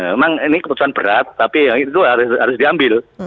memang ini keputusan berat tapi itu harus diambil